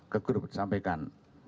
ke grup disampaikan